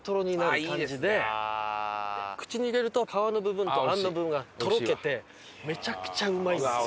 口に入れると皮の部分とあんの部分がとろけてめちゃくちゃうまいんですよ。